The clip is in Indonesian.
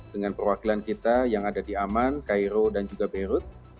dengan perwakilan kita yang ada di aman cairo dan juga beirut